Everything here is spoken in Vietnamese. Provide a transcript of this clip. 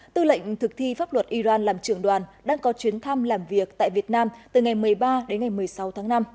tư lệnh thực thi pháp luật iran làm trưởng đoàn đang có chuyến thăm làm việc tại việt nam từ ngày một mươi ba đến ngày một mươi sáu tháng năm